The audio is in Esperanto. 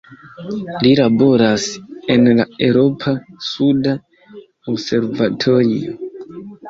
Li laboras en la Eŭropa suda observatorio.